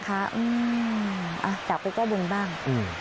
น๊อครเอากลับไปแก้บนบ้าง